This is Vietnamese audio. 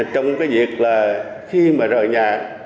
trong cái việc là khi mà rời nhà